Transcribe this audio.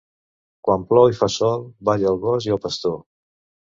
Quan plou i fa sol, balla el gos i el pastor.